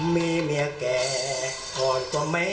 มีเมียแก่ก่อนก็แม่